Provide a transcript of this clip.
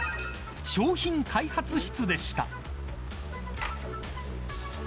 商品開発室でした。